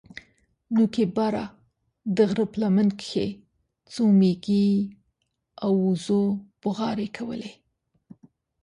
نوكي بره د غره په لمن کښې څو مېږو او وزو بوغارې کولې.